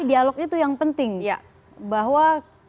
dialog itu yang penting bahwa